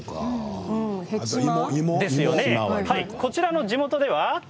こちらの地元では。